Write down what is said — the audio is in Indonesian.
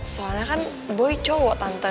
soalnya kan boy cowok tante